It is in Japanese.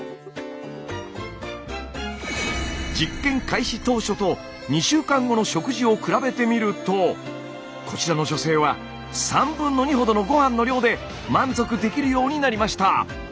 実験開始当初と２週間後の食事を比べてみるとこちらの女性は2/3ほどのご飯の量で満足できるようになりました。